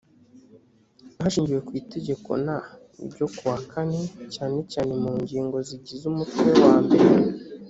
hashingiwe ku itegeko n ryo ku wa kane cyane cyane mu ngingo zigize umutwe wa mbere